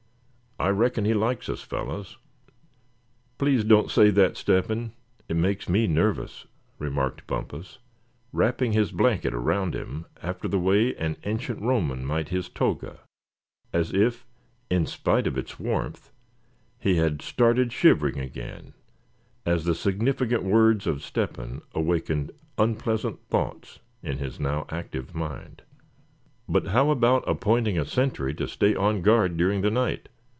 I reckon he likes us, fellows." "Please don't say that, Step hen; it makes me nervous," remarked Bumpus, wrapping his blanket around him after the way an ancient Roman might his toga, as if, in spite of its warmth, he had started shivering again, as the significant words of Step hen awakened unpleasant thoughts in his now active mind. "But how about appointing a sentry to stay on guard during the night?"